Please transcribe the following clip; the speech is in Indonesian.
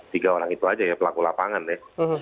tiga orang itu aja ya pelaku lapangan ya